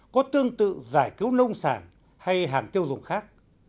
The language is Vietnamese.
có tương tự giải cứu nông sản hay hàng tiêu dùng khác